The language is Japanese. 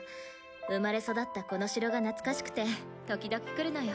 生まれ育ったこの城が懐かしくて時々来るのよ。